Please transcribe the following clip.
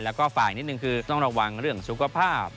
แล้วก็ฝ่ายนิดนึงคือต้องระวังเรื่องสุขภาพ